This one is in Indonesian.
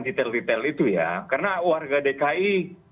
detail detail itu ya karena warga dki